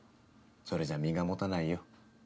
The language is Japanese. それじゃ身が持たないよ。